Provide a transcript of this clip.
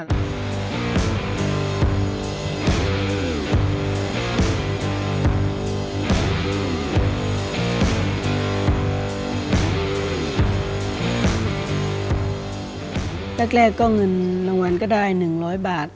แรกก็เงินรางวัลก็ได้๑๐๐บาท